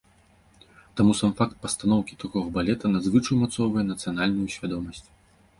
Таму сам факт пастаноўкі такога балета надзвычай умацоўвае нацыянальную свядомасць.